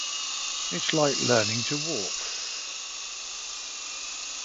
It's like learning to walk.